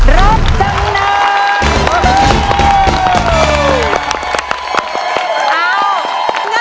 รับจำนำ